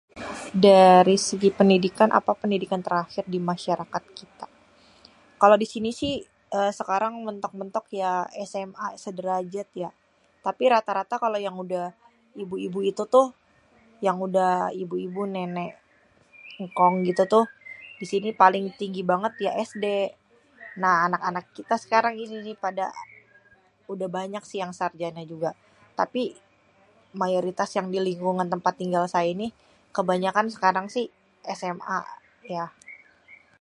Dari sêgi pendidikan apa pendidikan terakhir di masyarakat kita? Kalo di sini si sekarang mêntok-mêntok ya SMA sederajat ya, tapi rata-rata kalo yang udah ibu-ibu ituh tuh, yang udah ibu-ibu, nénék, êngkong gitu tuh di sini paling tinggi bangét ya SD. Nah, anak-anak kita sekarang ini ini pada udah banyak si yang sarjana juga, tapi mayoritas yang ada di lingkungan tempat saya ini kebanyakan sekarang ini si SMA ya